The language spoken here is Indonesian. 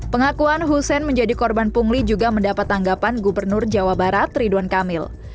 pengakuan hussein menjadi korban pungli juga mendapat tanggapan gubernur jawa barat ridwan kamil